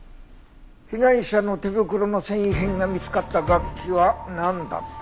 被害者の手袋の繊維片が見つかった楽器はなんだった？